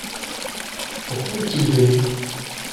Pourquoi est-il venu ?